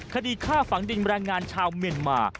คดีฆ่าฝังดินแรงงานชาวเมียนมา